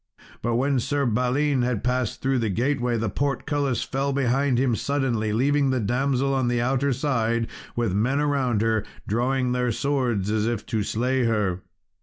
But when Sir Balin had passed through the gateway, the portcullis fell behind him suddenly, leaving the damsel on the outer side, with men around her, drawing their swords as if to slay her.